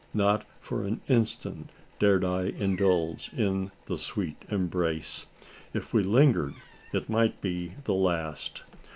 Not for an instant dared I indulge in the sweet embrace. If we lingered, it might be the last!